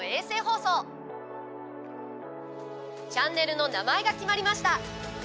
チャンネルの名前が決まりました。